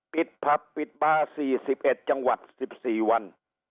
ปิดผับปิดบ้า๔๑จังหวัด๑๔วัน